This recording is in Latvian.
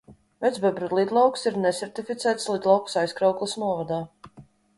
Vecbebru lidlauks ir nesertificēts lidlauks Aizkraukles novadā.